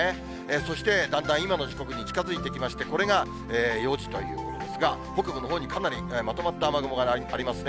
そしてだんだん、今の時刻に近づいてきまして、これが４時ということですが、北部のほうにかなりまとまった雨雲がありますね。